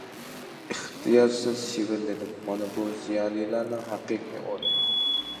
ئىختىيارسىز شىۋىرلىدىم: مانا بۇ، زىيالىيلارنىڭ ھەقىقىي ئورنى.